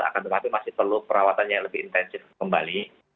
akan tetapi masih perlu perawatannya lebih intensif kembali